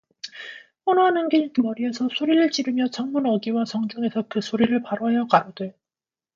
훤화하는 길 머리에서 소리를 지르며 성문 어귀와 성중에서 그 소리를 발하여 가로되